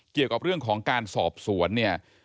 เกี่ยวกับเรื่องของการสอบสวนเนี่ย